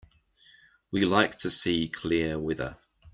We like to see clear weather.